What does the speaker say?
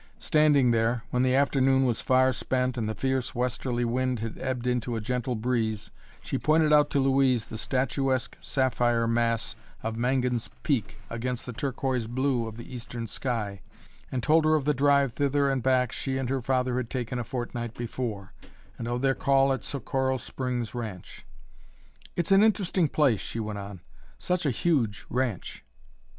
Standing there, when the afternoon was far spent and the fierce westerly wind had ebbed into a gentle breeze, she pointed out to Louise the statuesque sapphire mass of Mangan's Peak against the turquoise blue of the eastern sky, and told her of the drive thither and back she and her father had taken a fortnight before, and of their call at Socorro Springs ranch. "It's an interesting place," she went on; "such a huge ranch!